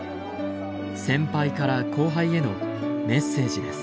先輩から後輩へのメッセージです。